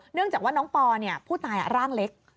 เนื่องจากว่าน้องปอผู้ตายร่างเล็ก